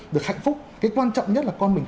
được hạnh phúc cái quan trọng nhất là con mình